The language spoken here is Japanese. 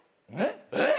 えっ！？